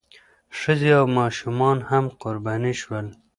ښځې او ماشومان هم قرباني شول.